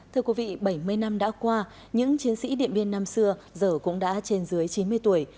thưa quý vị bảy mươi năm đã qua những chiến sĩ điện biên năm xưa giờ cũng đã trên dưới chín mươi tuổi